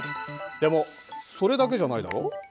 でもそれだけじゃないだろう？